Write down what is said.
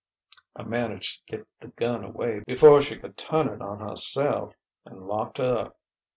I managed to get the gun away before she could turn it on herself, and locked her up.